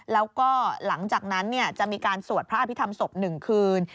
แล้วก็หลังจากนั้นจะมีการสวดพระอภิษฐรรมศพ๑คืน